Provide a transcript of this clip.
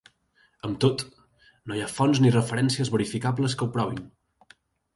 Amb tot, no hi ha fonts ni referències verificables que ho provin.